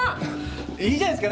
いいじゃないすかね。